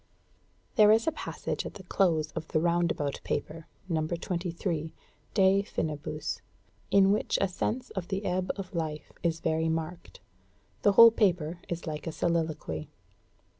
There is a passage at the close of the 'Roundabout Paper' No. 23, 'De Finibus,' in which a sense of the ebb of life is very marked; the whole paper is like a soliloquy.